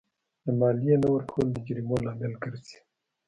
د مالیې نه ورکول د جریمو لامل ګرځي.